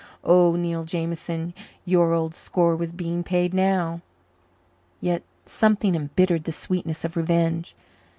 Oh, Neil Jameson, your old score was being paid now! Yet something embittered the sweetness of revenge.